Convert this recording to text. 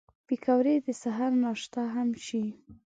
پکورې د سهر ناشته هم شي